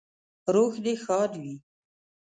روح دې ښاد وي